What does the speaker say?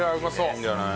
いいんじゃない？